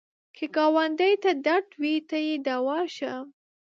که ګاونډي ته درد وي، ته یې دوا شه